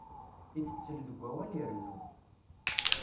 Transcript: Itettel deg awal irennu.